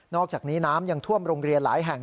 อกจากนี้น้ำยังท่วมโรงเรียนหลายแห่ง